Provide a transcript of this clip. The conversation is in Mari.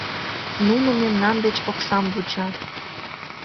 Нуно мемнан деч оксам вучат.